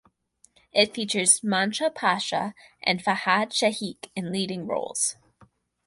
It features Mansha Pasha and Fahad Shaikh in leading roles.